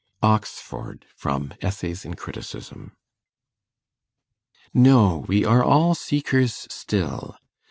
OXFORD From 'Essays in Criticism' No, we are all seekers still!